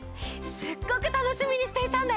すっごくたのしみにしていたんだよ。